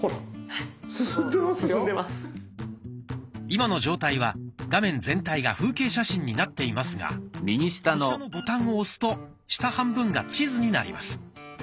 今の状態は画面全体が風景写真になっていますがこちらのボタンを押すと下半分が地図になります。